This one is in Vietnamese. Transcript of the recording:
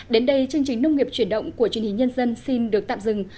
đến đây chương trình nông nghiệp chuyển động của truyền hình nhân dân xin được tạm dừng